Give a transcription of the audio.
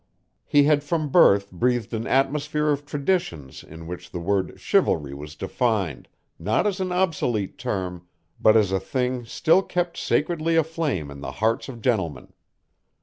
He had from birth breathed an atmosphere of traditions in which the word "chivalry" was defined, not as an obsolete term, but as a thing still kept sacredly aflame in the hearts of gentlemen.